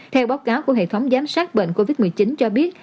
theo báo cáo của hệ thống giám sát bệnh covid một mươi chín cho biết